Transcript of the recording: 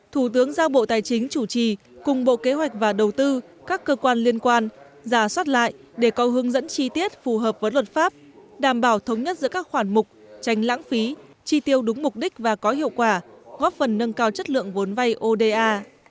thủ tướng giao bộ tài chính chủ trì cùng bộ kế hoạch và đầu tư các cơ quan liên quan giả soát lại để có hướng dẫn chi tiết phù hợp với luật pháp đảm bảo thống nhất giữa các khoản mục tránh lãng phí chi tiêu đúng mục đích và có hiệu quả góp phần nâng cao chất lượng vốn vay oda